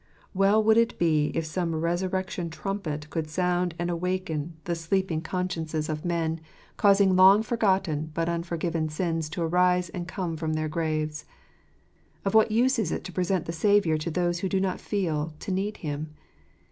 Well would it be if some resurrection trumpet could sound and awaken the sleeping %bz JFirat 83 consciences of men, causing long* forgotten but unfor given sins to arise and come forth from their graves. Of what use is it to present the Saviour to those who do not feel to need Him